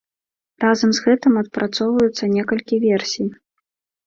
Разам з гэтым адпрацоўваюцца некалькі версій.